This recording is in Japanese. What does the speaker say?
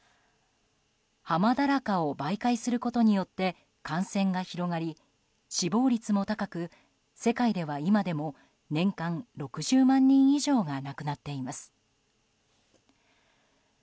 ハマダラカを媒介することによって感染が広がり、死亡率も高く世界では今でも年間６０万人以上が亡くなっています。